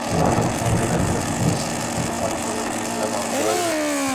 Aleneva menettely toisi enemmän paikkoja pienille valtioille.